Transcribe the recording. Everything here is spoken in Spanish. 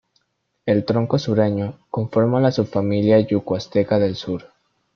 El tronco sureño conforma la subfamilia yuco-azteca del sur.